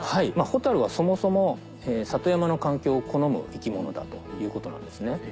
ホタルはそもそも里山の環境を好む生き物だということなんですね。